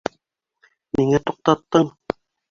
Ниңә туҡтаттың?